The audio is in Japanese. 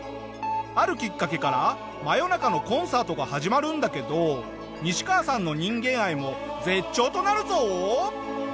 あるきっかけから真夜中のコンサートが始まるんだけどニシカワさんの人間愛も絶頂となるぞ！